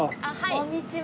こんにちは。